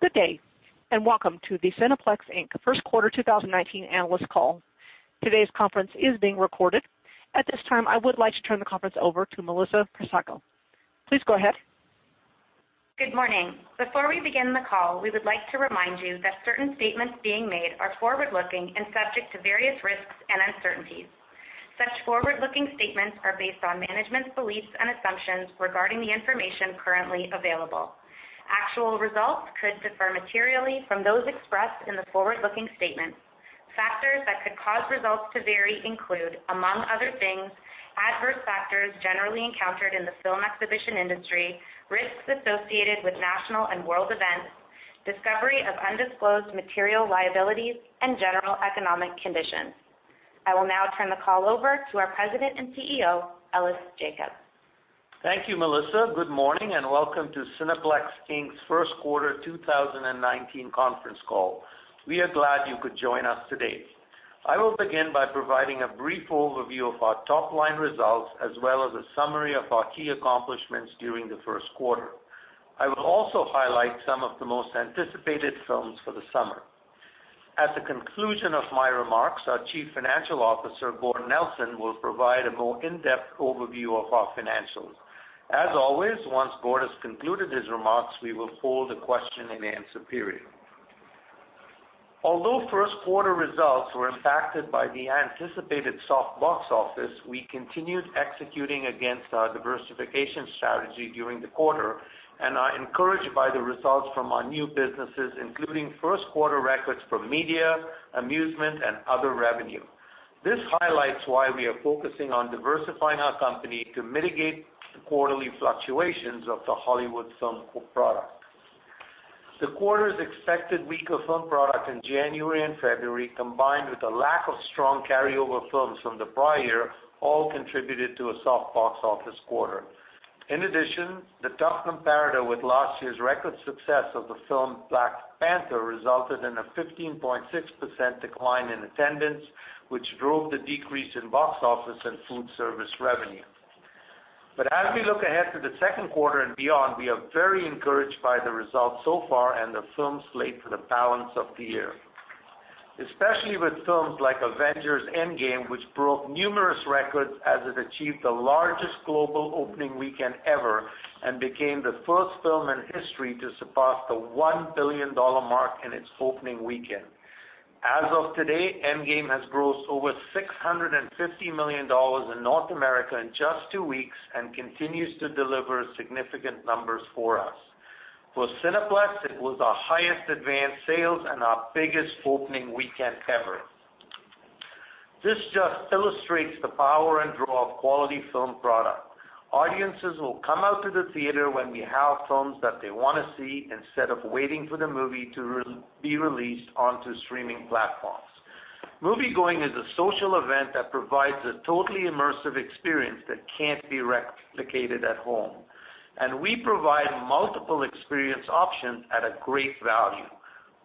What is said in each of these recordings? Good day, welcome to the Cineplex Inc. first quarter 2019 analyst call. Today's conference is being recorded. At this time, I would like to turn the conference over to Melissa Persaud. Please go ahead. Good morning. Before we begin the call, we would like to remind you that certain statements being made are forward-looking and subject to various risks and uncertainties. Such forward-looking statements are based on management's beliefs and assumptions regarding the information currently available. Actual results could differ materially from those expressed in the forward-looking statements. Factors that could cause results to vary include, among other things, adverse factors generally encountered in the film exhibition industry, risks associated with national and world events, discovery of undisclosed material liabilities, and general economic conditions. I will now turn the call over to our President and CEO, Ellis Jacob. Thank you, Melissa. Good morning, welcome to Cineplex Inc.'s first quarter 2019 conference call. We are glad you could join us today. I will begin by providing a brief overview of our top-line results as well as a summary of our key accomplishments during the first quarter. I will also highlight some of the most anticipated films for the summer. At the conclusion of my remarks, our Chief Financial Officer, Gord Nelson, will provide a more in-depth overview of our financials. As always, once Gord has concluded his remarks, we will hold a question-and-answer period. Although first quarter results were impacted by the anticipated soft box office, we continued executing against our diversification strategy during the quarter and are encouraged by the results from our new businesses, including first quarter records for media, amusement, and other revenue. This highlights why we are focusing on diversifying our company to mitigate the quarterly fluctuations of the Hollywood film product. The quarter's expected weaker film product in January and February, combined with a lack of strong carry-over films from the prior year, all contributed to a soft box office quarter. In addition, the tough comparator with last year's record success of the film "Black Panther" resulted in a 15.6% decline in attendance, which drove the decrease in box office and food service revenue. As we look ahead to the second quarter and beyond, we are very encouraged by the results so far and the film slate for the balance of the year, especially with films like "Avengers: Endgame," which broke numerous records as it achieved the largest global opening weekend ever and became the first film in history to surpass the 1 billion dollar mark in its opening weekend. As of today, "Endgame" has grossed over 650 million dollars in North America in just two weeks and continues to deliver significant numbers for us. For Cineplex, it was our highest advanced sales and our biggest opening weekend ever. This just illustrates the power and draw of quality film product. Audiences will come out to the theater when we have films that they want to see instead of waiting for the movie to be released onto streaming platforms. Moviegoing is a social event that provides a totally immersive experience that can't be replicated at home, and we provide multiple experience options at a great value.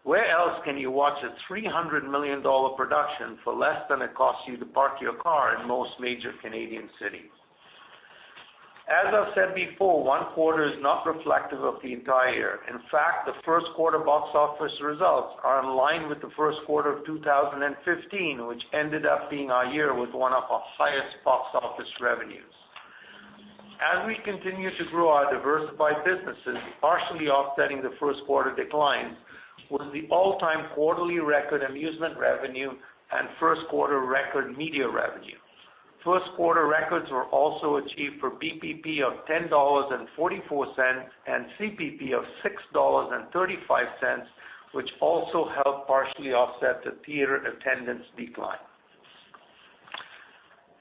Where else can you watch a 300 million dollar production for less than it costs you to park your car in most major Canadian cities? As I've said before, one quarter is not reflective of the entire year. In fact, the first quarter box office results are in line with the first quarter of 2015, which ended up being our year with one of our highest box office revenues. As we continue to grow our diversified businesses, partially offsetting the first quarter declines was the all-time quarterly record amusement revenue and first quarter record media revenue. First quarter records were also achieved for BPP of 10.44 dollars and CPP of 6.35 dollars, which also helped partially offset the theater attendance decline.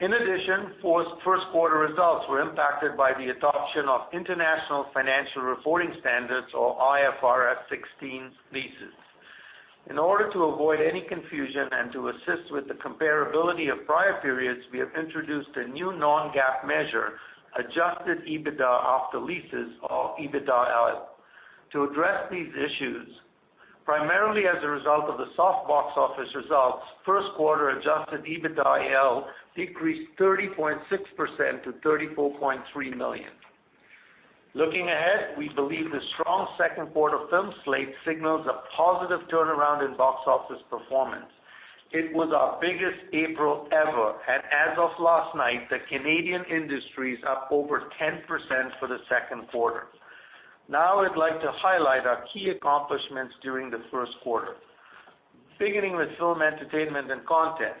In addition, first quarter results were impacted by the adoption of International Financial Reporting Standards, or IFRS 16 leases. In order to avoid any confusion and to assist with the comparability of prior periods, we have introduced a new non-GAAP measure, adjusted EBITDA after leases, or EBITDA-L, to address these issues. Primarily as a result of the soft box office results, first quarter adjusted EBITDA-L decreased 30.6% to 34.3 million. Looking ahead, we believe the strong second quarter film slate signals a positive turnaround in box office performance. It was our biggest April ever, and as of last night, the Canadian industry's up over 10% for the second quarter. I'd like to highlight our key accomplishments during the first quarter. Beginning with film entertainment and content.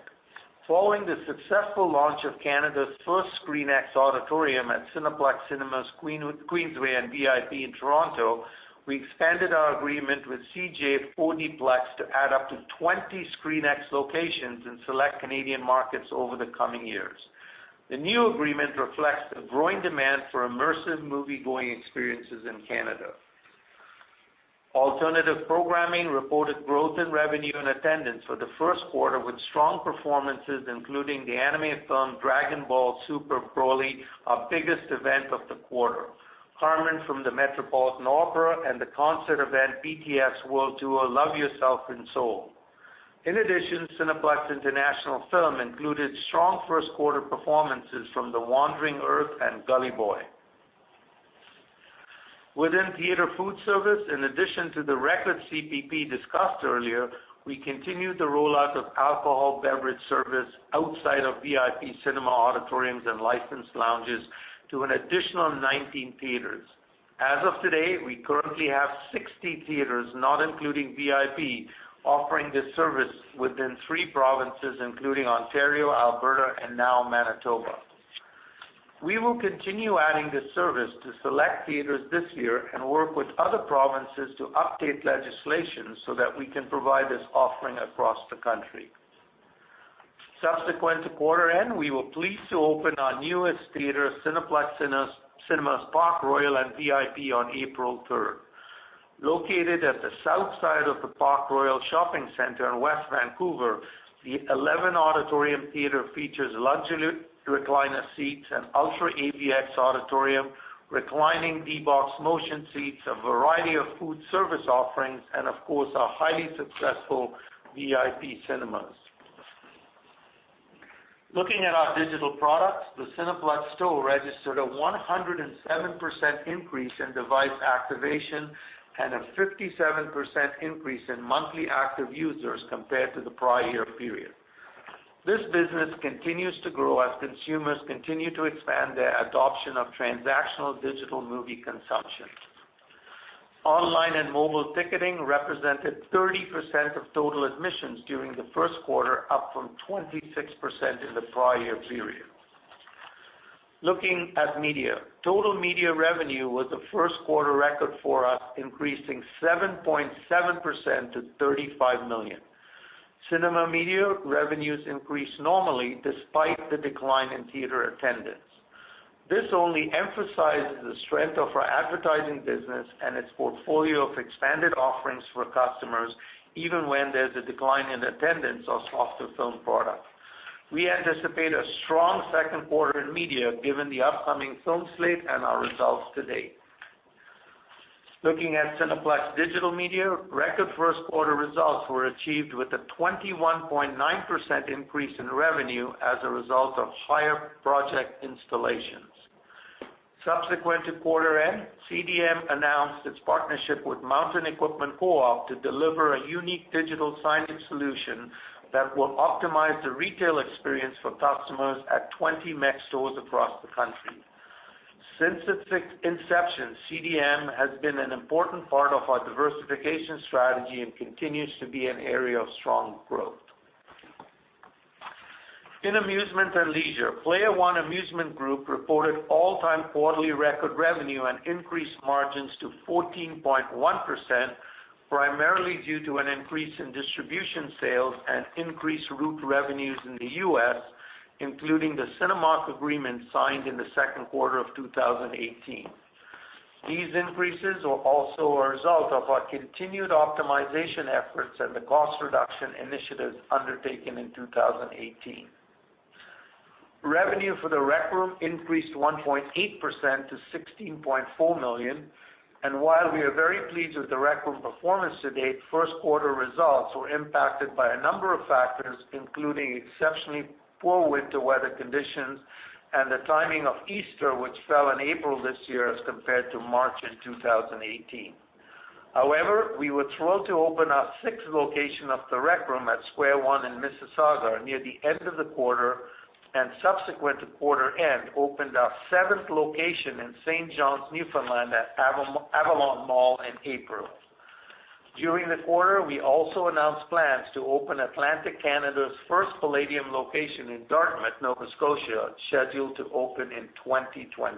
Following the successful launch of Canada's first ScreenX auditorium at Cineplex Cinemas Queensway and VIP in Toronto, we expanded our agreement with CJ 4DPLEX to add up to 20 ScreenX locations in select Canadian markets over the coming years. The new agreement reflects a growing demand for immersive moviegoing experiences in Canada. Alternative programming reported growth in revenue and attendance for the first quarter, with strong performances including the anime film "Dragon Ball Super: Broly," our biggest event of the quarter, "Carmen" from the Metropolitan Opera, and the concert event BTS World Tour: Love Yourself in Seoul. In addition, Cineplex International Film included strong first-quarter performances from "The Wandering Earth" and "Gully Boy." Within theater food service, in addition to the record CPP discussed earlier, we continued the rollout of alcohol beverage service outside of VIP cinema auditoriums and licensed lounges to an additional 19 theaters. As of today, we currently have 60 theaters, not including VIP, offering this service within three provinces, including Ontario, Alberta, and now Manitoba. We will continue adding this service to select theaters this year and work with other provinces to update legislation so that we can provide this offering across the country. Subsequent to quarter end, we were pleased to open our newest theater, Cineplex Cinemas Park Royal and VIP, on April 3rd. Located at the south side of the Park Royal Shopping Center in West Vancouver, the 11-auditorium theater features luxury recliner seats, an UltraAVX auditorium, reclining D-BOX motion seats, a variety of food service offerings, and of course, our highly successful VIP cinemas. Looking at our digital products, the Cineplex Store registered a 107% increase in device activation and a 57% increase in monthly active users compared to the prior year period. This business continues to grow as consumers continue to expand their adoption of transactional digital movie consumption. Online and mobile ticketing represented 30% of total admissions during the first quarter, up from 26% in the prior year period. Looking at media, total media revenue was a first-quarter record for us, increasing 7.7% to 35 million. Cinema media revenues increased normally despite the decline in theater attendance. This only emphasizes the strength of our advertising business and its portfolio of expanded offerings for customers, even when there is a decline in attendance of softer film product. We anticipate a strong second quarter in media given the upcoming film slate and our results to date. Looking at Cineplex Digital Media, record first-quarter results were achieved with a 21.9% increase in revenue as a result of higher project installations. Subsequent to quarter end, CDM announced its partnership with Mountain Equipment Co-op to deliver a unique digital signage solution that will optimize the retail experience for customers at 20 MEC stores across the country. Since its inception, CDM has been an important part of our diversification strategy and continues to be an area of strong growth. In amusement and leisure, Player One Amusement Group reported all-time quarterly record revenue and increased margins to 14.1%, primarily due to an increase in distribution sales and increased route revenues in the U.S., including the Cinemark agreement signed in the second quarter of 2018. These increases are also a result of our continued optimization efforts and the cost reduction initiatives undertaken in 2018. Revenue for The Rec Room increased 1.8% to 16.4 million. While we are very pleased with The Rec Room performance to date, first-quarter results were impacted by a number of factors, including exceptionally poor winter weather conditions and the timing of Easter, which fell in April this year as compared to March in 2018. However, we were thrilled to open our sixth location of The Rec Room at Square One in Mississauga near the end of the quarter, and subsequent to quarter end, opened our seventh location in St. John's, Newfoundland at Avalon Mall in April. During the quarter, we also announced plans to open Atlantic Canada's first Playdium location in Dartmouth, Nova Scotia, scheduled to open in 2020.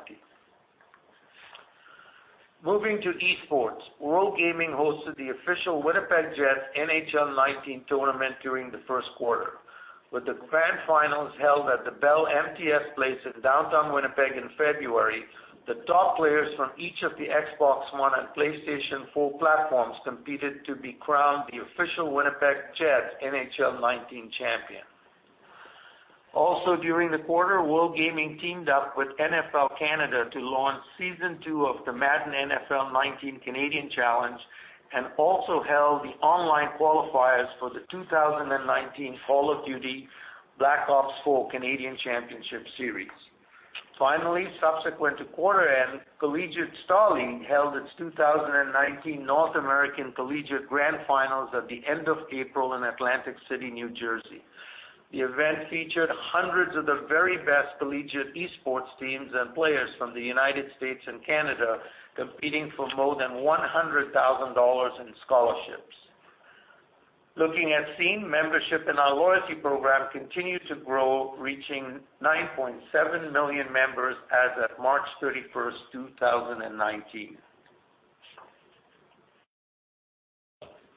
Moving to esports, WorldGaming hosted the official Winnipeg Jets NHL 19 tournament during the first quarter. With the grand finals held at the Bell MTS Place in downtown Winnipeg in February, the top players from each of the Xbox One and PlayStation 4 platforms competed to be crowned the official Winnipeg Jets NHL 19 champion. Also during the quarter, WorldGaming teamed up with NFL Canada to launch season 2 of the Madden NFL 19 Canadian Challenge and also held the online qualifiers for the 2019 Call of Duty: Black Ops 4 Canadian Championship Series. Finally, subsequent to quarter end, Collegiate StarLeague held its 2019 North American Collegiate Grand Finals at the end of April in Atlantic City, N.J. The event featured hundreds of the very best collegiate esports teams and players from the United States and Canada competing for more than 100,000 dollars in scholarships. Looking at Scene, membership in our loyalty program continued to grow, reaching 9.7 million members as of March 31st, 2019.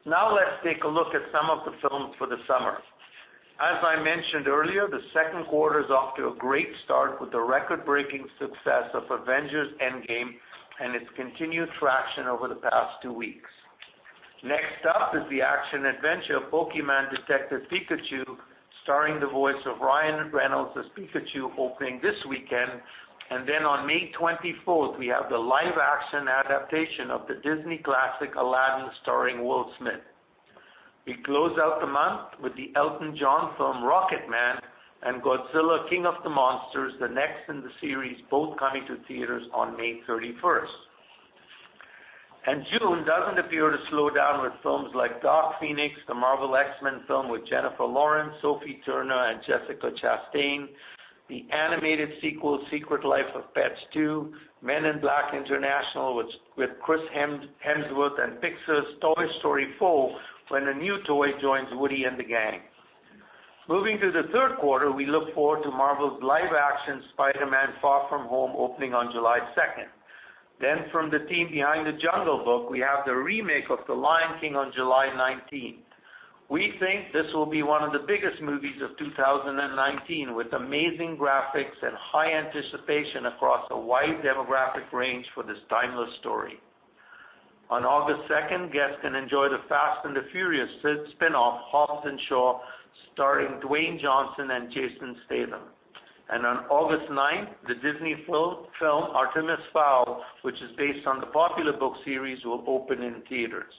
Let's take a look at some of the films for the summer. As I mentioned earlier, the second quarter is off to a great start with the record-breaking success of "Avengers: Endgame" and its continued traction over the past 2 weeks. Next up is the action-adventure, "Pokémon Detective Pikachu" starring the voice of Ryan Reynolds as Pikachu, opening this weekend, and on May 24th, we have the live-action adaptation of the Disney classic, "Aladdin," starring Will Smith. We close out the month with the Elton John film, "Rocketman," and "Godzilla: King of the Monsters," the next in the series, both coming to theaters on May 31st. June doesn't appear to slow down with films like "Dark Phoenix," the Marvel X-Men film with Jennifer Lawrence, Sophie Turner, and Jessica Chastain, the animated sequel, "The Secret Life of Pets 2," "Men in Black: International" with Chris Hemsworth, and Pixar's "Toy Story 4," when a new toy joins Woody and the gang. Moving to the third quarter, we look forward to Marvel's live-action "Spider-Man: Far From Home," opening on July 2nd. From the team behind "The Jungle Book," we have the remake of "The Lion King" on July 19th. We think this will be one of the biggest movies of 2019, with amazing graphics and high anticipation across a wide demographic range for this timeless story. On August 2nd, guests can enjoy the "Fast & Furious" spin-off, "Hobbs & Shaw," starring Dwayne Johnson and Jason Statham. On August 9th, the Disney film, "Artemis Fowl," which is based on the popular book series, will open in theaters.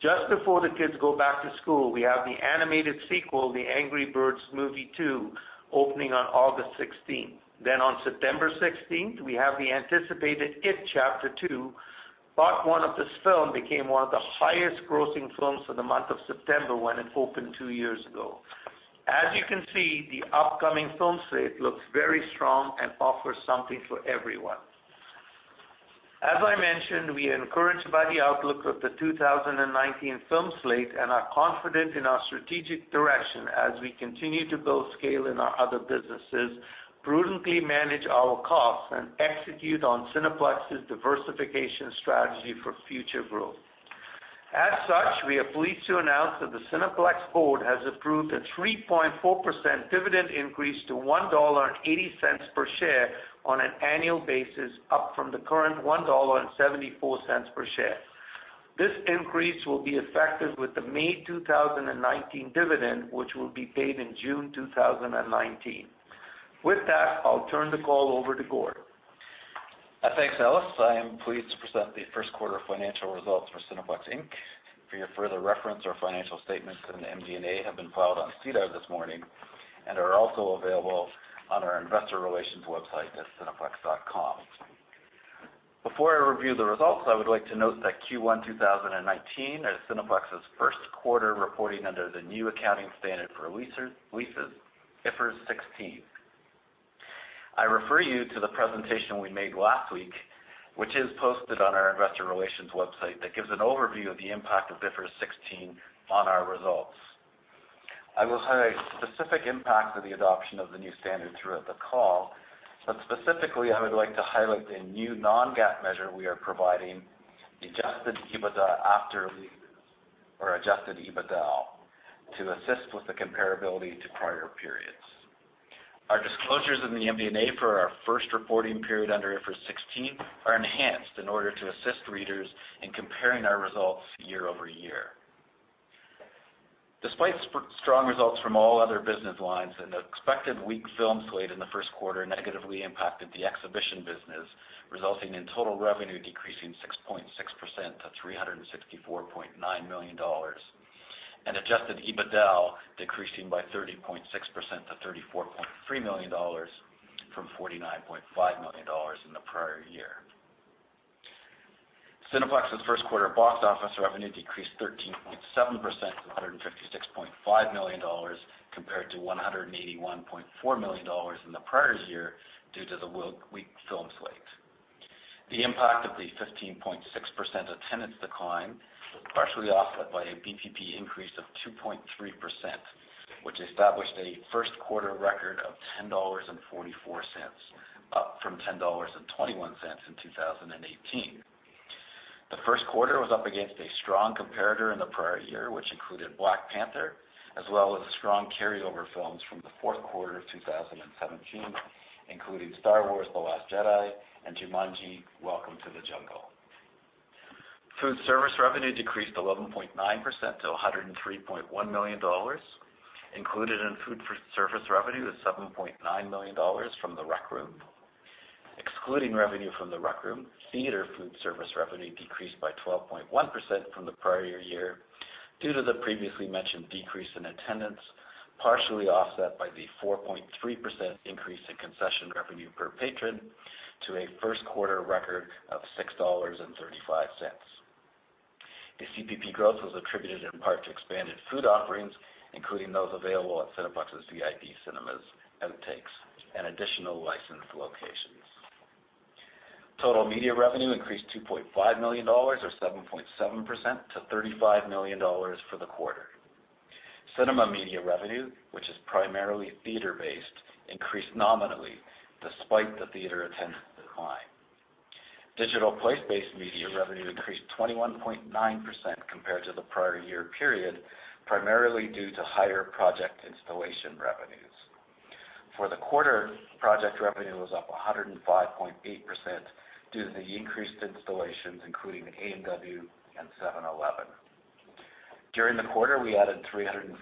Just before the kids go back to school, we have the animated sequel, "The Angry Birds Movie 2," opening on August 16th. On September 16th, we have the anticipated "It Chapter Two." Part one of this film became one of the highest grossing films for the month of September when it opened 2 years ago. As you can see, the upcoming film slate looks very strong and offers something for everyone. As I mentioned, we are encouraged by the outlook of the 2019 film slate and are confident in our strategic direction as we continue to build scale in our other businesses, prudently manage our costs, and execute on Cineplex's diversification strategy for future growth. As such, we are pleased to announce that the Cineplex Board has approved a 3.4% dividend increase to 1.80 dollar per share on an annual basis, up from the current 1.74 dollar per share. This increase will be effective with the May 2019 dividend, which will be paid in June 2019. With that, I'll turn the call over to Gord. Thanks, Ellis. I am pleased to present the first quarter financial results for Cineplex Inc. For your further reference, our financial statements and MD&A have been filed on SEDAR this morning and are also available on our investor relations website at cineplex.com. Before I review the results, I would like to note that Q1 2019 is Cineplex's first quarter reporting under the new accounting standard for leases, IFRS 16. I refer you to the presentation we made last week, which is posted on our investor relations website, that gives an overview of the impact of IFRS 16 on our results. I will highlight specific impacts of the adoption of the new standard throughout the call, but specifically, I would like to highlight the new non-GAAP measure we are providing, adjusted EBITDA after leases or adjusted EBITDA-L, to assist with the comparability to prior periods. Our disclosures in the MD&A for our first reporting period under IFRS 16 are enhanced in order to assist readers in comparing our results year-over-year. Despite strong results from all other business lines, an expected weak film slate in the first quarter negatively impacted the exhibition business, resulting in total revenue decreasing 6.6% to 364.9 million dollars, and adjusted EBITDA-L decreasing by 30.6% to 34.3 million dollars from 49.5 million dollars in the prior year. Cineplex's first quarter box office revenue decreased 13.7% to 156.5 million dollars, compared to 181.4 million dollars in the prior year due to the weak film slate. The impact of the 15.6% attendance decline was partially offset by a VPP increase of 2.3%, which established a first-quarter record of 10.44 dollars, up from 10.21 dollars in 2018. The first quarter was up against a strong comparator in the prior year, which included "Black Panther", as well as strong carryover films from the fourth quarter of 2017, including "Star Wars: The Last Jedi" and "Jumanji: Welcome to the Jungle." Food service revenue decreased 11.9% to 103.1 million dollars. Included in food service revenue is 7.9 million dollars from The Rec Room. Excluding revenue from The Rec Room, theater food service revenue decreased by 12.1% from the prior year due to the previously mentioned decrease in attendance, partially offset by the 4.3% increase in concession revenue per patron to a first-quarter record of 6.35 dollars. The CPP growth was attributed in part to expanded food offerings, including those available at Cineplex's VIP cinemas and additional licensed locations. Total media revenue increased 2.5 million dollars or 7.7% to 35 million dollars for the quarter. Cinema media revenue, which is primarily theater-based, increased nominally despite the theater attendance decline. Digital place-based media revenue increased 21.9% compared to the prior-year period, primarily due to higher project installation revenues. For the quarter, project revenue was up 105.8% due to the increased installations, including A&W and 7-Eleven. During the quarter, we added 345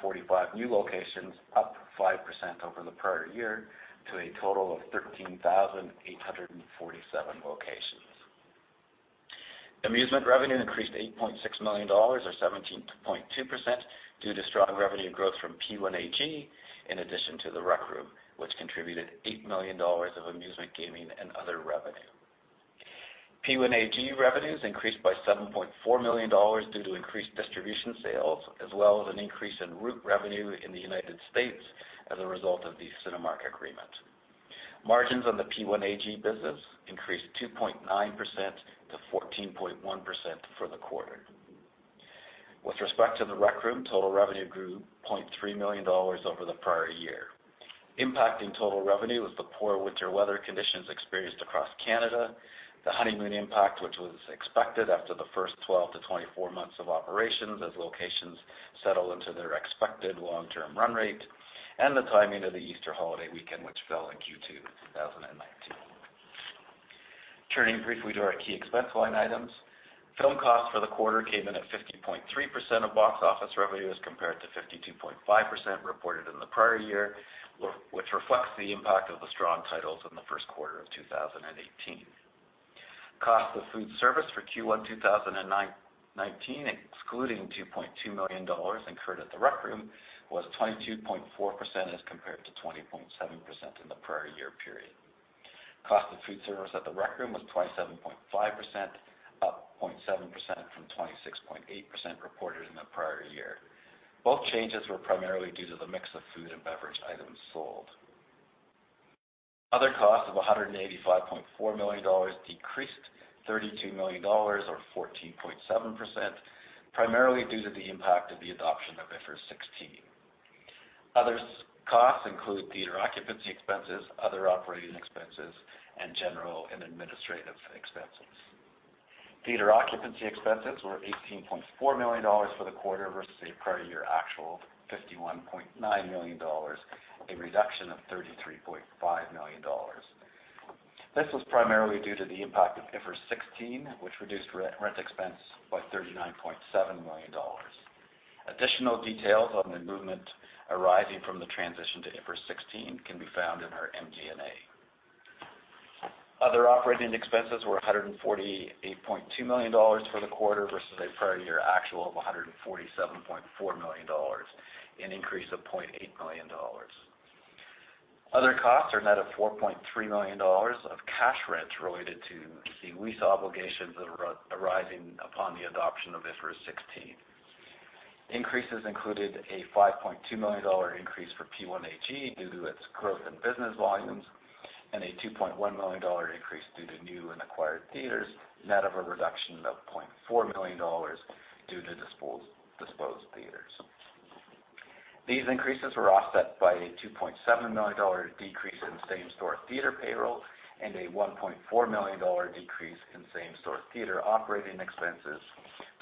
new locations, up 5% over the prior year to a total of 13,847 locations. Amusement revenue increased to 8.6 million dollars or 17.2%, due to strong revenue growth from P1AG, in addition to The Rec Room, which contributed 8 million dollars of amusement gaming and other revenue. P1AG revenues increased by 7.4 million dollars due to increased distribution sales, as well as an increase in route revenue in the United States as a result of the Cinemark agreement. Margins on the P1AG business increased 2.9% to 14.1% for the quarter. With respect to The Rec Room, total revenue grew 0.3 million dollars over the prior year. Impacting total revenue was the poor winter weather conditions experienced across Canada, the honeymoon impact which was expected after the first 12 to 24 months of operations as locations settle into their expected long-term run rate, and the timing of the Easter holiday weekend, which fell in Q2 2019. Turning briefly to our key expense line items. Film cost for the quarter came in at 50.3% of box office revenue as compared to 52.5% reported in the prior year, which reflects the impact of the strong titles in the first quarter of 2018. Cost of food service for Q1 2019, excluding 2.2 million dollars incurred at The Rec Room, was 22.4% as compared to 20.7% in the prior year period. Cost of food service at The Rec Room was 27.5%, up 0.7% from 26.8% reported in the prior year. Both changes were primarily due to the mix of food and beverage items sold. Other costs of 185.4 million dollars decreased 32 million dollars or 14.7%, primarily due to the impact of the adoption of IFRS 16. Other costs include theater occupancy expenses, other operating expenses, and general and administrative expenses. Theater occupancy expenses were 18.4 million dollars for the quarter versus a prior year actual of 51.9 million dollars, a reduction of 33.5 million dollars. This was primarily due to the impact of IFRS 16, which reduced rent expense by 39.7 million dollars. Additional details on the movement arising from the transition to IFRS 16 can be found in our MD&A. Other operating expenses were 148.2 million dollars for the quarter versus a prior year actual of 147.4 million dollars, an increase of 0.8 million dollars. Other costs are net of 4.3 million dollars of cash rents related to the lease obligations arising upon the adoption of IFRS 16. Increases included a 5.2 million dollar increase for P1AG due to its growth in business volumes and a 2.1 million dollar increase due to new and acquired theaters, net of a reduction of 0.4 million dollars due to disposed theaters. These increases were offset by a 2.7 million dollar decrease in same-store theater payroll and a 1.4 million dollar decrease in same-store theater operating expenses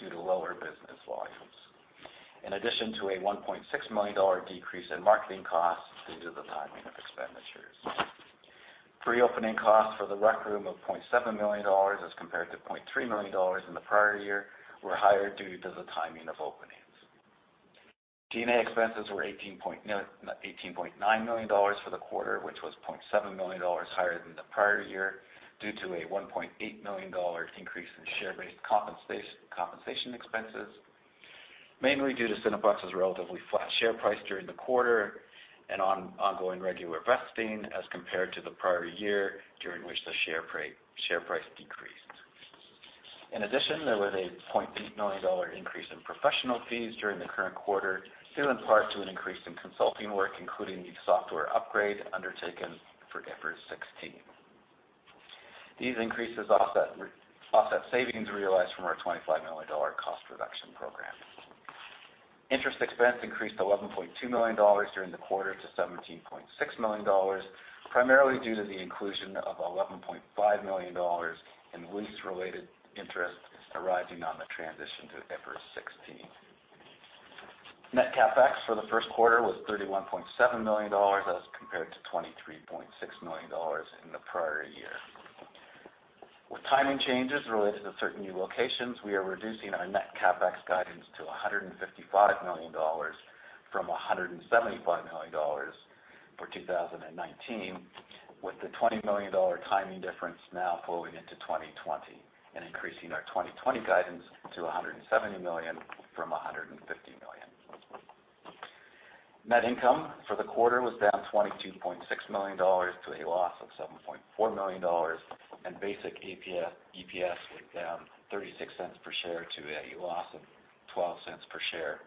due to lower business volumes. In addition to a 1.6 million dollar decrease in marketing costs due to the timing of expenditures. Pre-opening costs for The Rec Room of 0.7 million dollars as compared to 0.3 million dollars in the prior year were higher due to the timing of openings. G&A expenses were 18.9 million dollars for the quarter, which was 0.7 million dollars higher than the prior year due to a 1.8 million dollars increase in share-based compensation expenses, mainly due to Cineplex's relatively flat share price during the quarter and ongoing regular vesting as compared to the prior year during which the share price decreased. In addition, there was a 0.8 million dollar increase in professional fees during the current quarter, due in part to an increase in consulting work, including the software upgrade undertaken for IFRS 16. These increases offset savings realized from our 25 million dollar cost reduction program. Interest expense increased to 11.2 million dollars during the quarter to 17.6 million dollars, primarily due to the inclusion of 11.5 million dollars in lease-related interest arising on the transition to IFRS 16. Net CapEx for the first quarter was 31.7 million dollars as compared to 23.6 million dollars in the prior year. With timing changes related to certain new locations, we are reducing our net CapEx guidance to 155 million dollars from 175 million dollars for 2019, with the 20 million dollar timing difference now flowing into 2020 and increasing our 2020 guidance to 170 million from 150 million. Net income for the quarter was down 22.6 million dollars to a loss of 7.4 million dollars, and basic EPS was down 0.36 per share to a loss of 0.12 per share,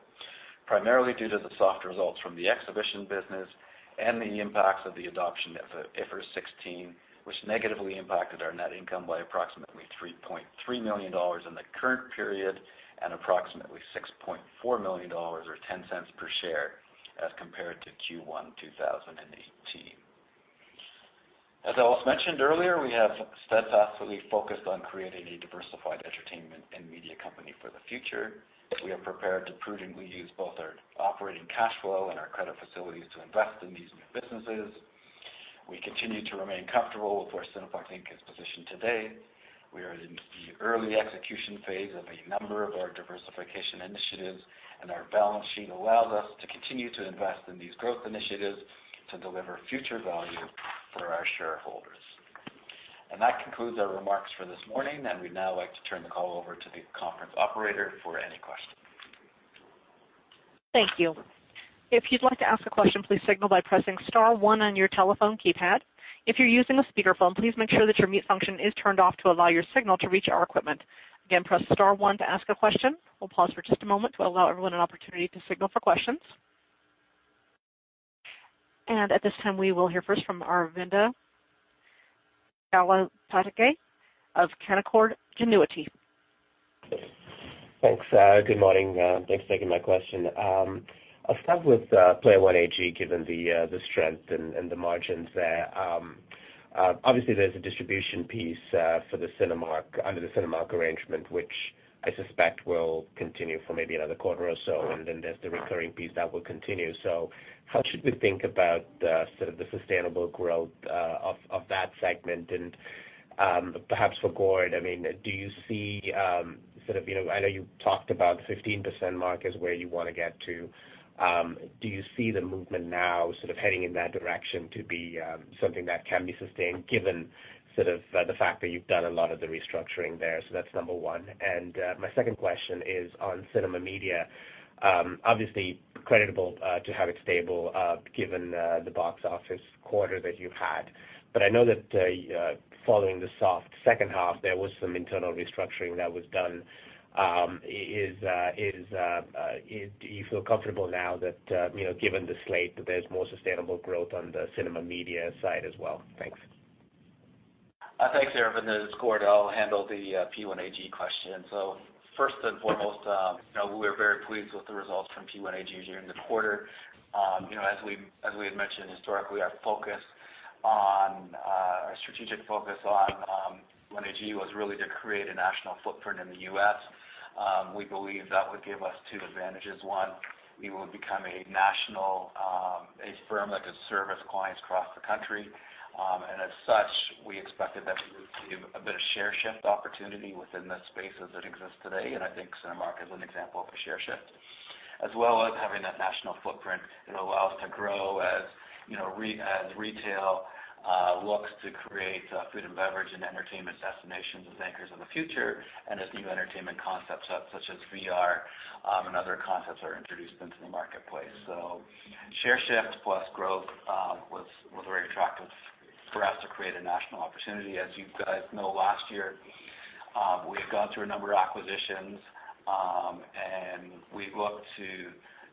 primarily due to the soft results from the exhibition business and the impacts of the adoption of IFRS 16, which negatively impacted our net income by approximately 3.3 million dollars in the current period and approximately 6.4 million dollars or 0.10 per share as compared to Q1 2018. As Ellis mentioned earlier, we have steadfastly focused on creating a diversified entertainment and media company for the future. We are prepared to prudently use both our operating cash flow and our credit facilities to invest in these new businesses. We continue to remain comfortable with where Cineplex Inc. is positioned today. We are in the early execution phase of a number of our diversification initiatives, and our balance sheet allows us to continue to invest in these growth initiatives to deliver future value for our shareholders. That concludes our remarks for this morning. We'd now like to turn the call over to the conference operator for any questions. Thank you. If you'd like to ask a question, please signal by pressing star one on your telephone keypad. If you're using a speakerphone, please make sure that your mute function is turned off to allow your signal to reach our equipment. Again, press star one to ask a question. We'll pause for just a moment to allow everyone an opportunity to signal for questions. At this time, we will hear first from Aravinda Galappatthige of Canaccord Genuity. Thanks. Good morning. Thanks for taking my question. I'll start with Player One AG, given the strength and the margins there. Obviously, there's a distribution piece under the Cinemark arrangement, which I suspect will continue for maybe another quarter or so, then there's the recurring piece that will continue. How should we think about the sustainable growth of that segment? And perhaps for Gord, I know you talked about 15% mark is where you want to get to. Do you see the movement now heading in that direction to be something that can be sustained given the fact that you've done a lot of the restructuring there? That's number one. My second question is on Cineplex Media. Obviously creditable to have it stable given the box office quarter that you've had. I know that following the soft second half, there was some internal restructuring that was done. Do you feel comfortable now that given the slate, that there's more sustainable growth on the Cineplex Media side as well? Thanks. Thanks, Aravinda. This is Gord. I'll handle the P1AG question. First and foremost, we're very pleased with the results from P1AG during the quarter. As we had mentioned historically, our strategic focus on P1AG was really to create a national footprint in the U.S. We believe that would give us two advantages. One, we will become a firm that could service clients across the country. As such, we expected that we would see a bit of share shift opportunity within the space as it exists today. I think Cinemark is an example of a share shift. As well as having that national footprint, it allows to grow as retail looks to create food and beverage and entertainment destinations as anchors in the future, and as new entertainment concepts such as VR and other concepts are introduced into the marketplace. Share shift plus growth was very attractive for us to create a national opportunity. You guys know, last year, we had gone through a number of acquisitions, we looked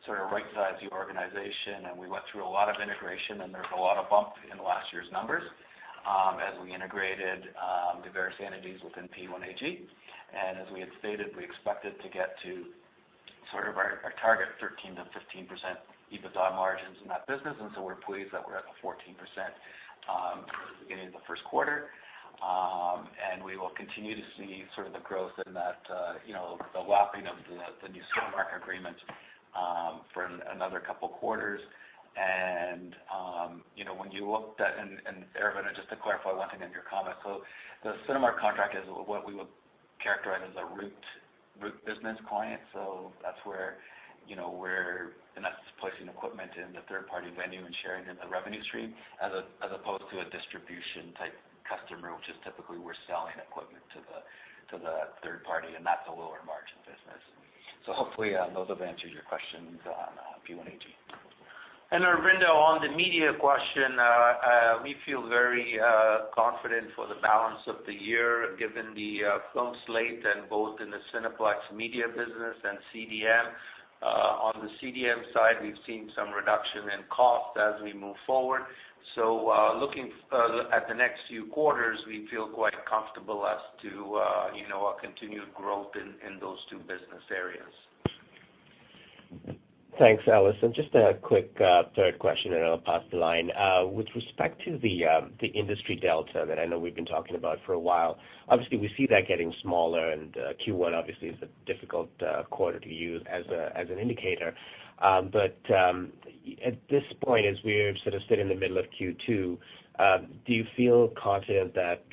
to right-size the organization, we went through a lot of integration, and there was a lot of bump in last year's numbers as we integrated the various entities within P1AG. As we had stated, we expected to get to our target 13%-15% EBITDA margins in that business. We're pleased that we're at the 14% beginning of the first quarter. We will continue to see the growth in the lapping of the new Cinemark agreement for another couple of quarters. Aravinda, just to clarify one thing in your comment. The Cinemark contract is what we would characterize as a route business client. That's placing equipment in the third-party venue and sharing in the revenue stream as opposed to a distribution-type customer, which is typically we're selling equipment to the third party, and that's a lower margin business. Hopefully those have answered your questions on P1AG. Aravinda, on the media question, we feel very confident for the balance of the year given the film slate and both in the Cineplex Media business and CDM. On the CDM side, we've seen some reduction in cost as we move forward. Looking at the next few quarters, we feel quite comfortable as to our continued growth in those two business areas. Thanks, Ellis. Just a quick third question, and I'll pass the line. With respect to the industry delta that I know we've been talking about for a while, obviously we see that getting smaller, and Q1 obviously is a difficult quarter to use as an indicator. At this point, as we sit in the middle of Q2, do you feel confident that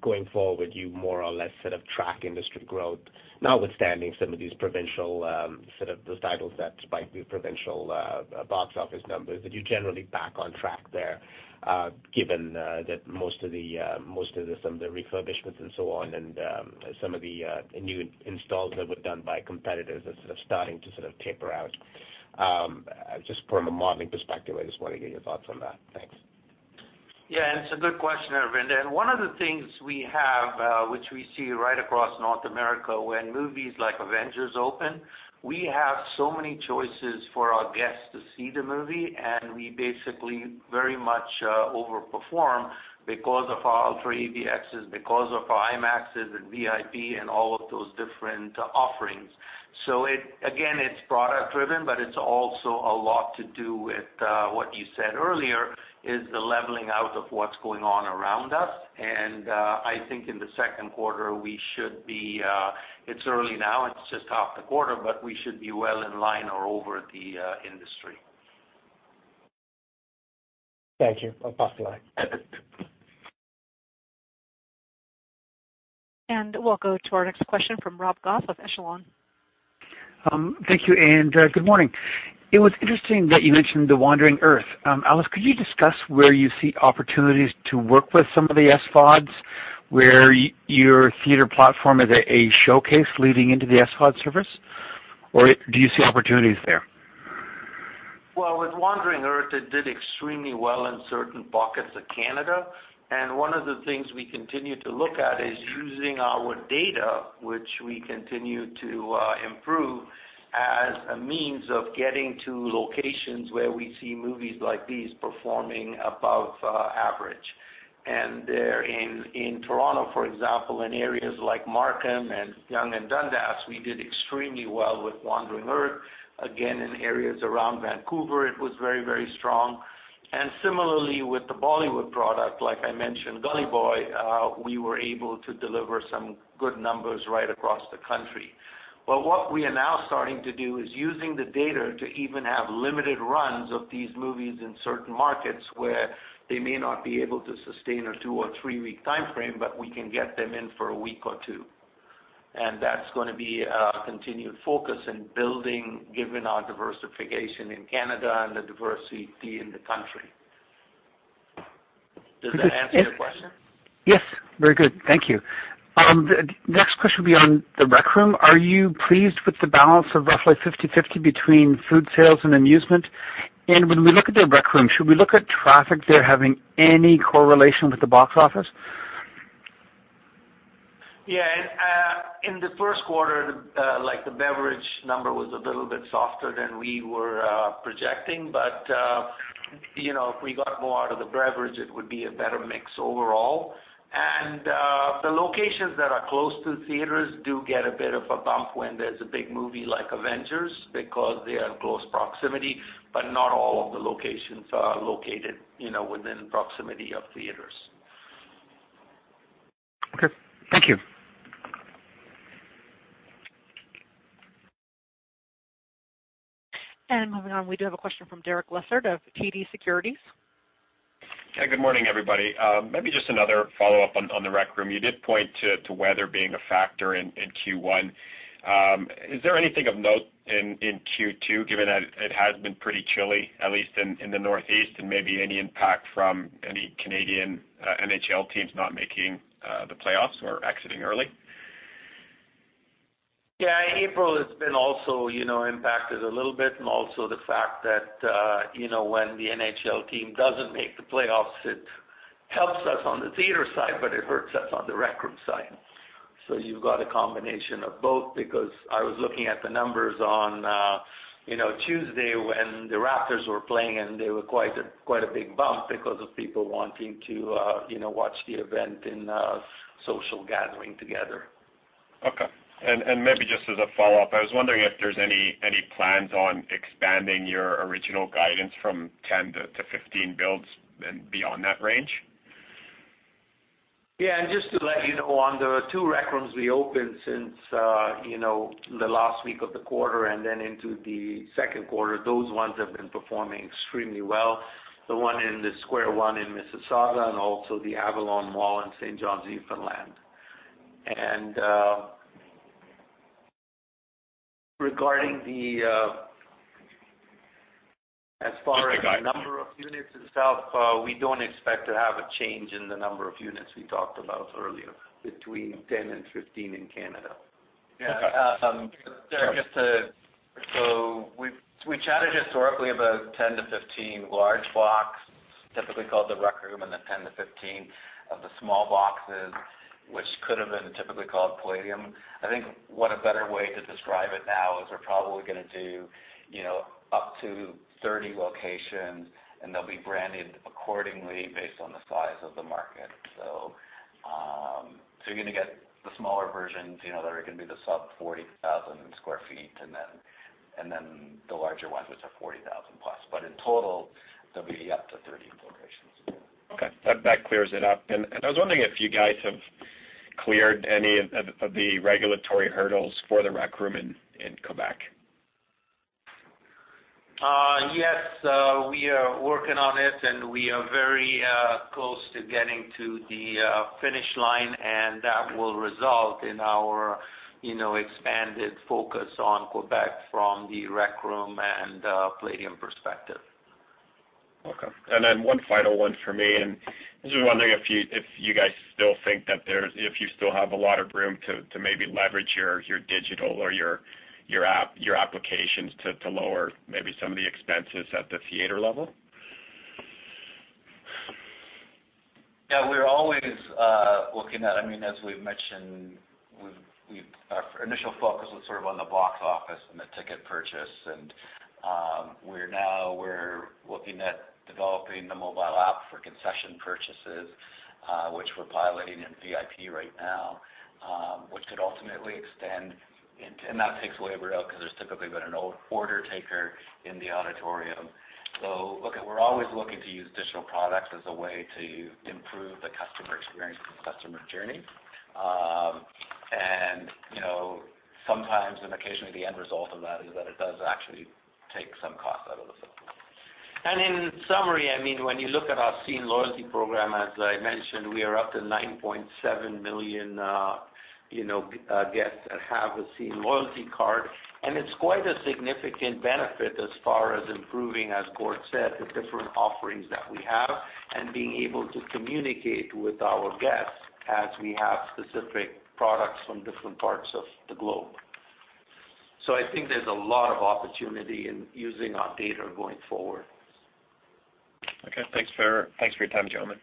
going forward you more or less track industry growth, notwithstanding some of these provincial titles that spike the provincial box office numbers, that you're generally back on track there given that most of some of the refurbishments and so on and some of the new installs that were done by competitors are starting to taper out? Just from a modeling perspective, I just want to get your thoughts on that. Thanks. It's a good question, Aravinda. One of the things we have which we see right across North America when movies like "Avengers" open, we have so many choices for our guests to see the movie, and we basically very much over-perform because of our UltraAVXs, because of our IMAXs and VIP and all of those different offerings. Again, it's product-driven, but it's also a lot to do with what you said earlier, is the leveling out of what's going on around us. I think in the second quarter, it's early now, it's just half the quarter, but we should be well in line or over the industry. Thank you. I'll pass the line. We'll go to our next question from Rob Goff of Echelon. Thank you, good morning. It was interesting that you mentioned "The Wandering Earth." Ellis, could you discuss where you see opportunities to work with some of the SVODs, where your theater platform is a showcase leading into the SVOD service, or do you see opportunities there? With "The Wandering Earth," it did extremely well in certain pockets of Canada. One of the things we continue to look at is using our data, which we continue to improve, as a means of getting to locations where we see movies like these performing above average. There in Toronto, for example, in areas like Markham and Yonge and Dundas, we did extremely well with "The Wandering Earth." In areas around Vancouver, it was very strong. Similarly, with the Bollywood product, like I mentioned, "Gully Boy," we were able to deliver some good numbers right across the country. What we are now starting to do is using the data to even have limited runs of these movies in certain markets where they may not be able to sustain a two- or three-week time frame, but we can get them in for a week or two. That's going to be a continued focus in building given our diversification in Canada and the diversity in the country. Does that answer your question? Yes. Very good. Thank you. Next question will be on The Rec Room. Are you pleased with the balance of roughly 50/50 between food sales and amusement? When we look at The Rec Room, should we look at traffic there having any correlation with the box office? Yeah. In the first quarter, the beverage number was a little bit softer than we were projecting, but if we got more out of the beverage, it would be a better mix overall. The locations that are close to theaters do get a bit of a bump when there's a big movie like "Avengers" because they are in close proximity, but not all of the locations are located within proximity of theaters. Okay. Thank you. Moving on, we do have a question from Derek Lessard of TD Securities. Good morning, everybody. Maybe just another follow-up on The Rec Room. You did point to weather being a factor in Q1. Is there anything of note in Q2, given that it has been pretty chilly, at least in the Northeast, and maybe any impact from any Canadian NHL teams not making the playoffs or exiting early? April has been also impacted a little bit, and also the fact that when the NHL team doesn't make the playoffs, it helps us on the theater side, but it hurts us on The Rec Room side. You've got a combination of both because I was looking at the numbers on Tuesday when the Raptors were playing, and they were quite a big bump because of people wanting to watch the event in social gathering together. Okay. Maybe just as a follow-up, I was wondering if there's any plans on expanding your original guidance from 10-15 builds and beyond that range? Yeah. Just to let you know, on the two Rec Rooms we opened since the last week of the quarter and then into the second quarter, those ones have been performing extremely well. The one in the Square One in Mississauga and also the Avalon Mall in St. John's, Newfoundland. regarding the Okay. Got you. As far as the number of units itself, we don't expect to have a change in the number of units we talked about earlier, between 10 and 15 in Canada. Okay. Derek, we chatted historically about 10 to 15 large box, typically called The Rec Room, and the 10 to 15 of the small boxes, which could have been typically called Playdium. I think what a better way to describe it now is we're probably going to do up to 30 locations, and they'll be branded accordingly based on the size of the market. You're going to get the smaller versions that are going to be the sub-40,000 sq ft, and then the larger ones, which are 40,000 plus. In total, there'll be up to 30 locations. Okay. That clears it up. I was wondering if you guys have cleared any of the regulatory hurdles for The Rec Room in Quebec. Yes. We are working on it. We are very close to getting to the finish line. That will result in our expanded focus on Quebec from The Rec Room and Playdium perspective. Okay. One final one for me. I was just wondering if you guys still think that if you still have a lot of room to maybe leverage your digital or your applications to lower maybe some of the expenses at the theater level? As we've mentioned, our initial focus was sort of on the box office and the ticket purchase. We're now looking at developing the mobile app for concession purchases, which we're piloting in VIP right now, which could ultimately extend and that takes labor out because there's typically been an old order taker in the auditorium. Look, we're always looking to use digital products as a way to improve the customer experience and customer journey. Sometimes and occasionally the end result of that is that it does actually take some cost out of the system. In summary, when you look at our Scene loyalty program, as I mentioned, we are up to 9.7 million guests that have a Scene loyalty card, and it's quite a significant benefit as far as improving, as Gord said, the different offerings that we have and being able to communicate with our guests as we have specific products from different parts of the globe. I think there's a lot of opportunity in using our data going forward. Okay. Thanks for your time, gentlemen.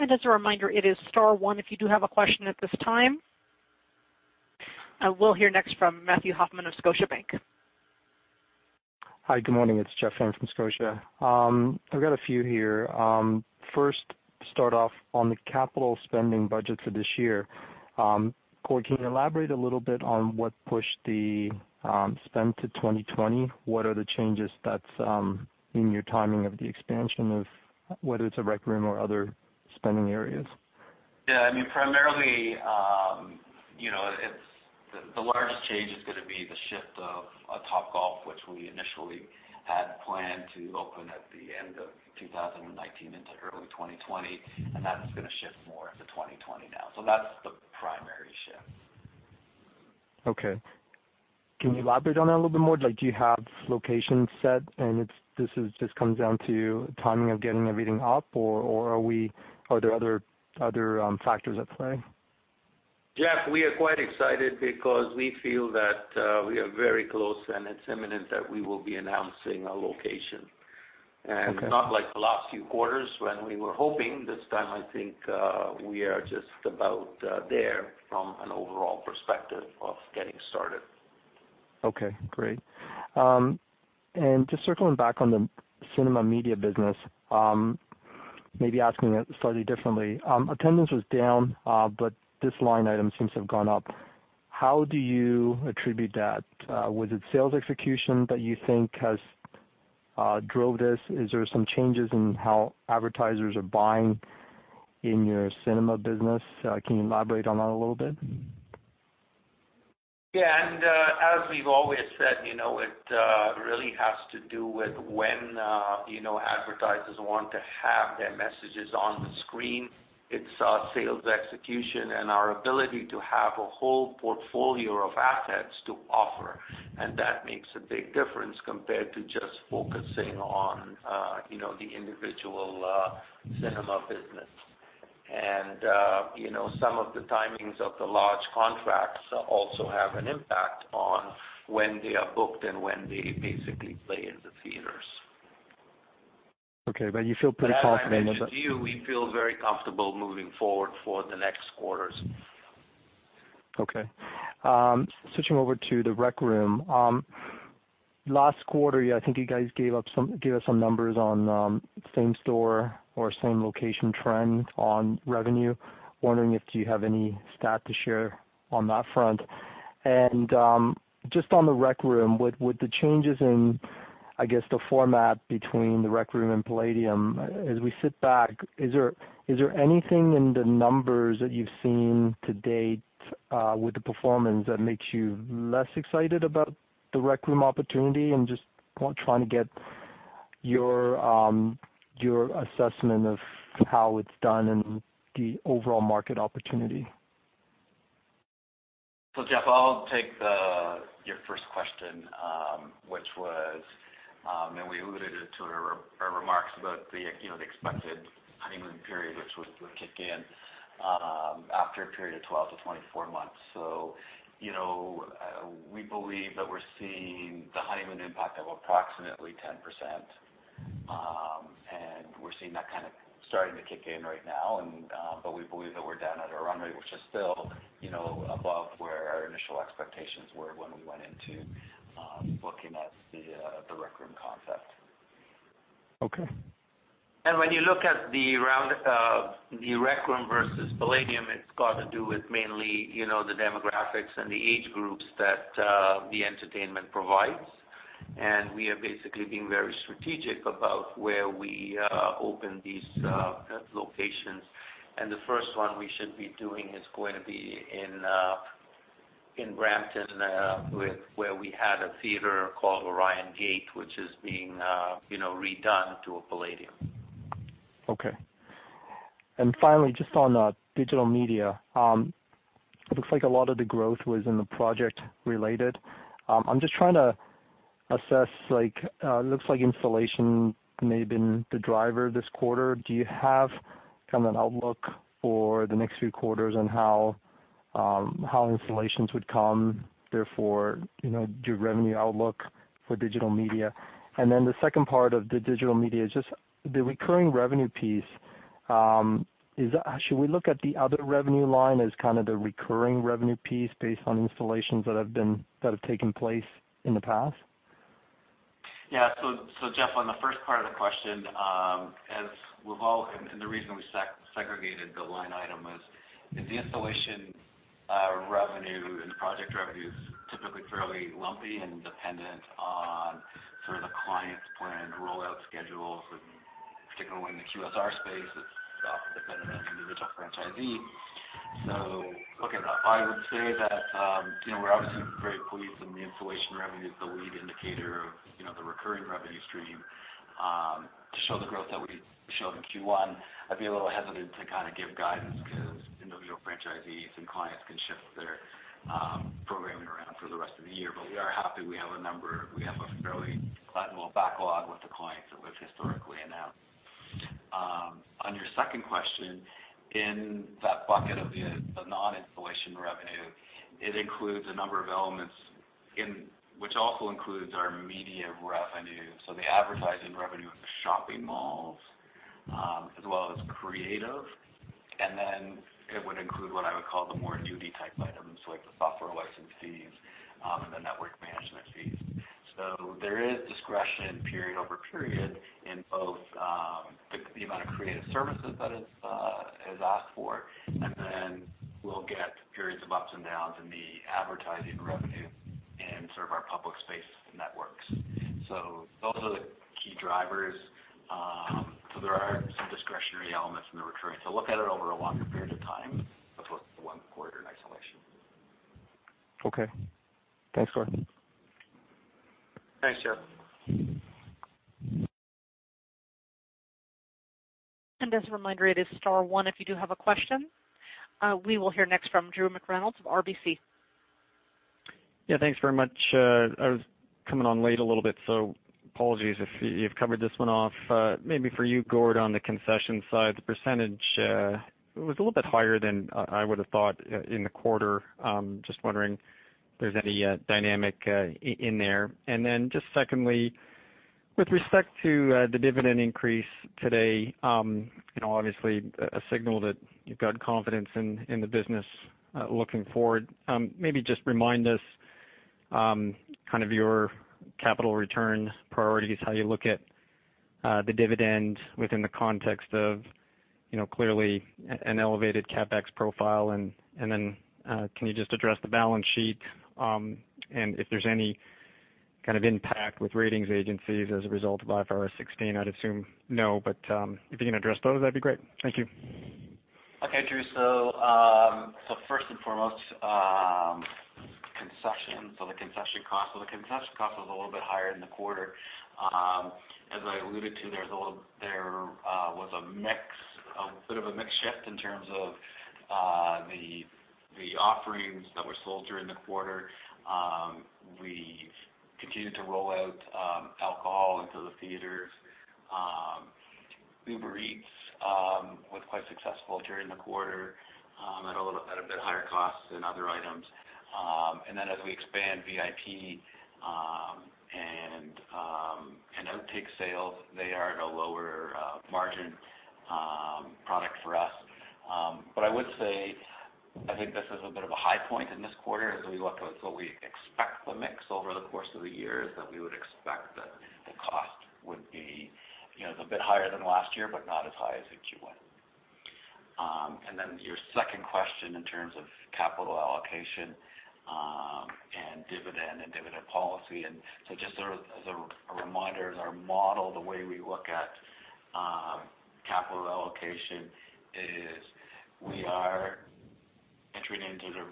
As a reminder, it is star 1 if you do have a question at this time. We'll hear next from Matthew Hoffman of Scotiabank. Hi, good morning. It's Jeff Fan from Scotia. I've got a few here. Start off on the capital spending budget for this year. Gord, can you elaborate a little bit on what pushed the spend to 2020? What are the changes that's in your timing of the expansion of whether it's a Rec Room or other spending areas? Yeah, primarily, the largest change is going to be the shift of Topgolf, which we initially had planned to open at the end of 2019 into early 2020, that is going to shift more into 2020 now. That's the primary shift. Okay. Can you elaborate on that a little bit more? Do you have locations set and this comes down to timing of getting everything up, or are there other factors at play? Jeff, we are quite excited because we feel that we are very close and it's imminent that we will be announcing a location. Okay. Not like the last few quarters when we were hoping, this time I think we are just about there from an overall perspective of getting started. Okay, great. Just circling back on the cinema media business, maybe asking it slightly differently. Attendance was down, but this line item seems to have gone up. How do you attribute that? Was it sales execution that you think has drove this? Is there some changes in how advertisers are buying in your cinema business? Can you elaborate on that a little bit? As we've always said, it really has to do with when advertisers want to have their messages on the screen. It's sales execution and our ability to have a whole portfolio of assets to offer, and that makes a big difference compared to just focusing on the individual cinema business. Some of the timings of the large contracts also have an impact on when they are booked and when they basically play in the theaters. You feel pretty confident? As I mentioned to you, we feel very comfortable moving forward for the next quarters. Okay. Switching over to The Rec Room. Last quarter, yeah, I think you guys gave us some numbers on same store or same location trend on revenue. Wondering if do you have any stat to share on that front. Just on The Rec Room, with the changes in, I guess, the format between The Rec Room and Playdium, as we sit back, is there anything in the numbers that you've seen to date with the performance that makes you less excited about The Rec Room opportunity? Just trying to get your assessment of how it's done and the overall market opportunity. Jeff, I'll take your first question, which was, we alluded it to our remarks about the expected honeymoon period, which would kick in after a period of 12 to 24 months. We believe that we're seeing the honeymoon impact of approximately 10%, and we're seeing that kind of starting to kick in right now. We believe that we're down at a run rate, which is still above where our initial expectations were when we went into looking at The Rec Room concept. Okay. When you look at The Rec Room versus Playdium, it's got to do with mainly the demographics and the age groups that the entertainment provides. We are basically being very strategic about where we open these locations. The first one we should be doing is going to be in Brampton, where we had a theater called Orion Gate, which is being redone to a Playdium. Okay. Finally, just on digital media. It looks like a lot of the growth was in the project related. I'm just trying to assess, it looks like installation may have been the driver this quarter. Do you have an outlook for the next few quarters on how installations would come, therefore, your revenue outlook for digital media? The second part of the digital media is just the recurring revenue piece. Should we look at the other revenue line as the recurring revenue piece based on installations that have taken place in the past? Yeah. Jeff, on the first part of the question, the reason we segregated the line item was the installation revenue and the project revenue is typically fairly lumpy and dependent on sort of the client's planned rollout schedules, particularly in the QSR space, it's often dependent on individual franchisees. Look at that. I would say that we're obviously very pleased that the installation revenue is the lead indicator of the recurring revenue stream to show the growth that we showed in Q1. I'd be a little hesitant to give guidance because individual franchisees and clients can shift their programming around for the rest of the year. We are happy we have a fairly sizable backlog with the clients that we've historically announced. On your second question, in that bucket of the non-installation revenue, it includes a number of elements which also includes our media revenue, the advertising revenue of the shopping malls, as well as creative. Then it would include what I would call the more duty-type items, like the software license fees and the network management fees. There is discretion period over period in both the amount of creative services that is asked for, then we'll get periods of ups and downs in the advertising revenue in sort of our public space networks. Those are the key drivers. There are some discretionary elements in the recurring. Look at it over a longer period of time as opposed to one quarter in isolation. Okay. Thanks, Gord. Thanks, Jeff. As a reminder, it is star one if you do have a question. We will hear next from Drew McReynolds of RBC. Thanks very much. I was coming on late a little bit, so apologies if you've covered this one off. Maybe for you, Gord, on the concession side, the percentage was a little bit higher than I would've thought in the quarter. Just wondering if there's any dynamic in there. Just secondly, with respect to the dividend increase today, obviously a signal that you've got confidence in the business looking forward. Maybe just remind us your capital return priorities, how you look at the dividend within the context of clearly an elevated CapEx profile. Can you just address the balance sheet, and if there's any kind of impact with ratings agencies as a result of IFRS 16? I'd assume no, but if you can address both, that'd be great. Thank you. Drew. First and foremost, concession. The concession cost was a little bit higher in the quarter. As I alluded to, there was a bit of a mix shift in terms of the offerings that were sold during the quarter. We continued to roll out alcohol into the theaters. Uber Eats was quite successful during the quarter at a bit higher cost than other items. As we expand VIP and outtake sales, they are at a lower margin product for us. I would say, I think this is a bit of a high point in this quarter as we look at what we expect the mix over the course of the year is that we would expect that the cost would be a bit higher than last year, but not as high as in Q1. your second question in terms of capital allocation and dividend and dividend policy. Just as a reminder, our model, the way we look at capital allocation is we are entering into the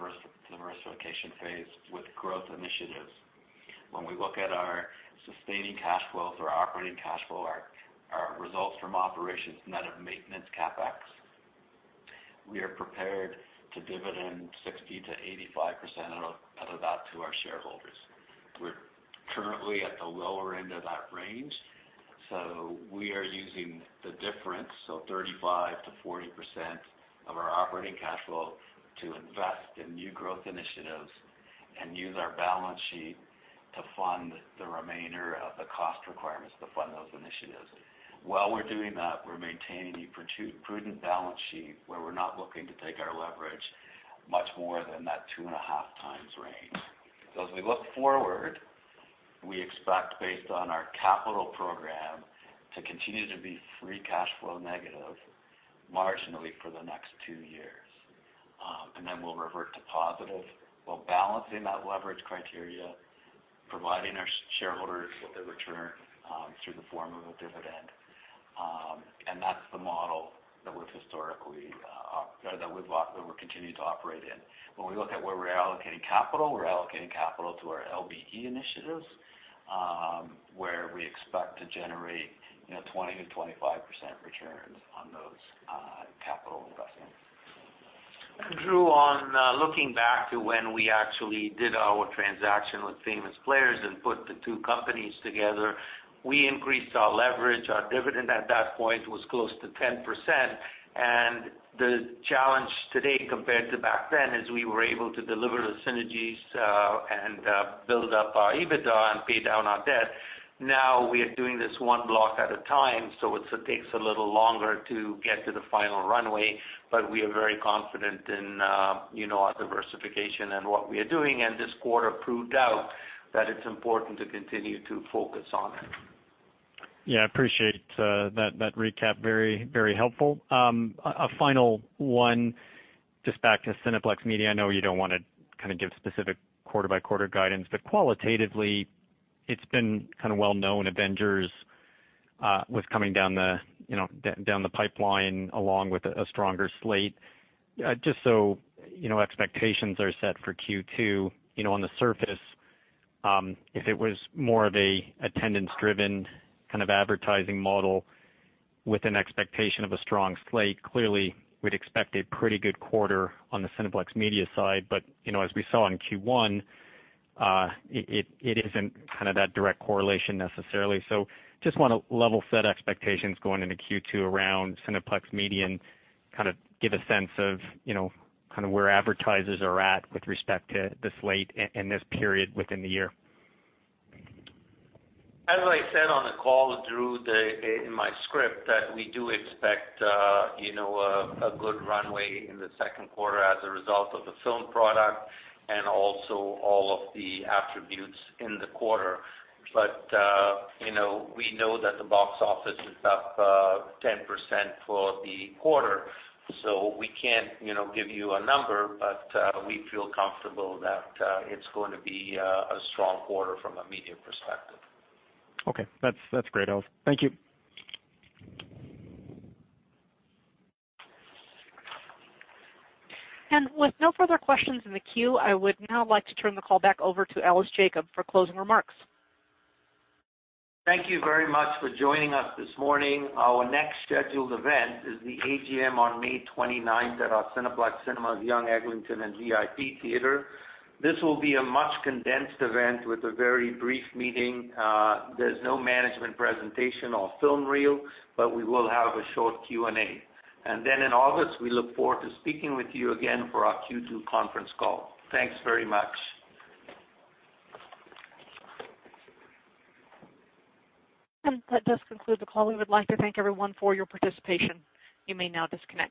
diversification phase with growth initiatives. When we look at our sustaining cash flow through our operating cash flow, our results from operations net of maintenance CapEx, we are prepared to dividend 60%-85% out of that to our shareholders. We're currently at the lower end of that range, we are using the difference, 35%-40% of our operating cash flow to invest in new growth initiatives and use our balance sheet to fund the remainder of the cost requirements to fund those initiatives. While we're doing that, we're maintaining a prudent balance sheet where we're not looking to take our leverage much more than that 2.5 times range. As we look forward, we expect, based on our capital program, to continue to be free cash flow negative marginally for the next two years. We'll revert to positive while balancing that leverage criteria, providing our shareholders with a return through the form of a dividend. That's the model that we've historically continued to operate in. When we look at where we're allocating capital, we're allocating capital to our LBE initiatives, where we expect to generate 20%-25% returns on those capital investments. Drew, on looking back to when we actually did our transaction with Famous Players and put the two companies together, we increased our leverage. Our dividend at that point was close to 10%. The challenge today compared to back then is we were able to deliver the synergies and build up our EBITDA and pay down our debt. We are doing this one block at a time, so it takes a little longer to get to the final runway. We are very confident in our diversification and what we are doing, and this quarter proved out that it's important to continue to focus on it. Appreciate that recap. Very helpful. A final one, just back to Cineplex Media. I know you don't want to give specific quarter-by-quarter guidance, but qualitatively, it's been well-known "Avengers" was coming down the pipeline along with a stronger slate. Just so expectations are set for Q2, on the surface, if it was more of a attendance-driven advertising model with an expectation of a strong slate, clearly we'd expect a pretty good quarter on the Cineplex Media side. As we saw in Q1, it isn't that direct correlation necessarily. Just want to level set expectations going into Q2 around Cineplex Media and give a sense of where advertisers are at with respect to the slate and this period within the year. As I said on the call, Drew, in my script, that we do expect a good runway in the second quarter as a result of the film product and also all of the attributes in the quarter. We know that the box office is up 10% for the quarter, so we can't give you a number, but we feel comfortable that it's going to be a strong quarter from a media perspective. Okay. That's great, Ellis. Thank you. With no further questions in the queue, I would now like to turn the call back over to Ellis Jacob for closing remarks. Thank you very much for joining us this morning. Our next scheduled event is the AGM on May 29th at our Cineplex Cinemas Yonge-Eglinton and VIP Theater. This will be a much condensed event with a very brief meeting. There's no management presentation or film reel, we will have a short Q&A. In August, we look forward to speaking with you again for our Q2 conference call. Thanks very much. That does conclude the call. We would like to thank everyone for your participation. You may now disconnect.